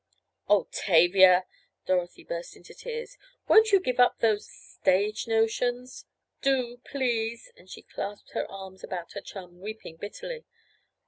"Oh, Tavia!" Dorothy burst into tears. "Won't you give up—those stage notions? Do, please!" and she clasped her arms about her chum, weeping bitterly.